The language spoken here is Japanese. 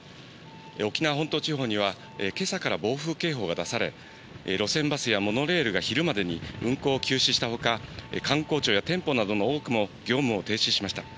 沖縄本島地方には、けさから暴風警報が出され、路線バスやモノレールが昼までに運行を休止したほか、官公庁や店舗などの多くも業務を停止しました。